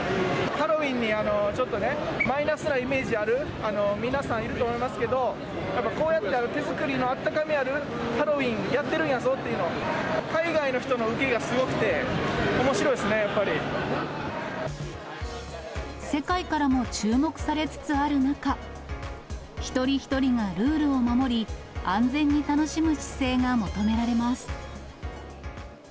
ハロウィーンにちょっとね、マイナスなイメージある皆さん、いると思いますけど、やっぱこうやって手作りのあったかみのあるハロウィーン、やってるんやぞっていう、海外の人の受けがすごくて、おもしろいですね、世界からも注目されつつある中、一人一人がルールを守り、安全に楽しむ姿勢が求められます。